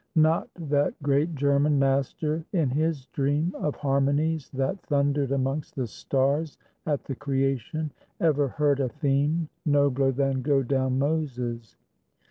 Not that great German master in his dream Of harmonies that thundered amongst the stars At the creation, ever heard a theme Nobler than "Go down, Moses."